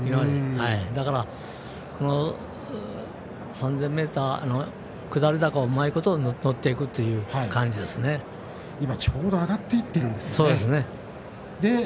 だから３０００ｍ下り坂をうまいこと乗っていくというちょうど上がっていってるんですね。